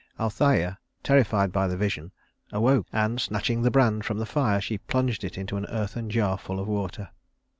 Althæa, terrified by the vision, awoke; and snatching the brand from the fire she plunged it into an earthen jar full of water.